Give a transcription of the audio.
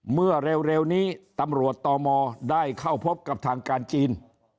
เมื่อเร็วนี้ตำรวจตมได้เข้าพบกับทางการจีน